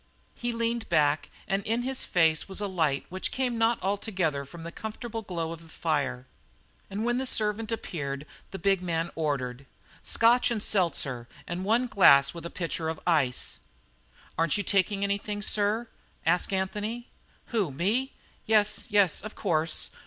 He leaned back and in his face was a light which came not altogether from the comfortable glow of the fire. And when the servant appeared the big man ordered: "Scotch and seltzer and one glass with a pitcher of ice." "Aren't you taking anything, sir?" asked Anthony. "Who, me? Yes, yes, of course.